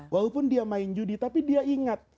walaupun dia main judi tapi dia ingat